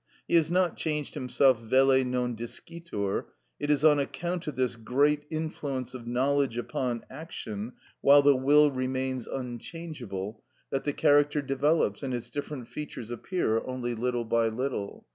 He has not changed himself: velle non discitur. It is on account of this great influence of knowledge upon action, while the will remains unchangeable, that the character develops and its different features appear only little by little.